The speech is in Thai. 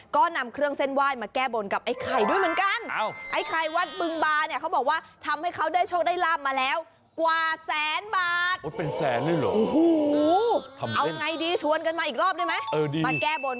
ก็นำเครื่องเส้นไหว้มาแก้โบนกับไอ้ไข่ด้วยเหมือนกัน